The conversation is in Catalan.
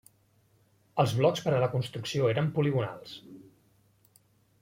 Els blocs per a la construcció eren poligonals.